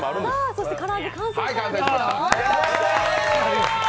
そしてから揚げ完成しましたよ。